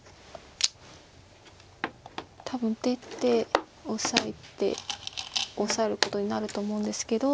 多分出てオサえてオサえることになると思うんですけど。